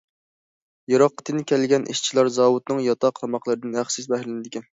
يىراقتىن كەلگەن ئىشچىلار زاۋۇتنىڭ ياتاق، تاماقلىرىدىن ھەقسىز بەھرىلىنىدىكەن.